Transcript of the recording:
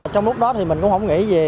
trong lúc đó thì mình cũng không nghĩ gì